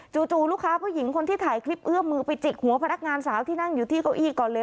จู่ลูกค้าผู้หญิงคนที่ถ่ายคลิปเอื้อมือไปจิกหัวพนักงานสาวที่นั่งอยู่ที่เก้าอี้ก่อนเลย